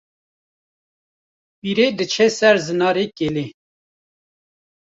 Pîrê diçe ser Zinarê Kelê